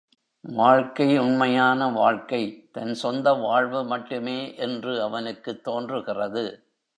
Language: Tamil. வாழ்க்கை உண்மையான வாழ்க்கை, தன் சொந்த வாழ்வு மட்டுமே என்று அவனுக்குத் தோன்றுகிறது.